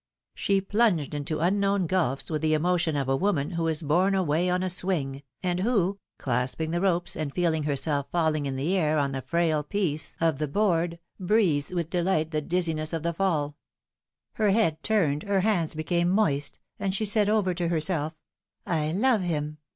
She plunged into unknown gulfs with the emotion of a woman who is borne away on a swing, and who, clasping the ropes and feeling herself falling in the air on the frail piece of 222 philomI:ne's marriages. board, breathes with delight the dizziness of the fall ; her head turned, her hands became moist, and she said over to herself: I love him!